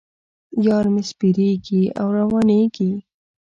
یار مې سپریږي او روانېږي.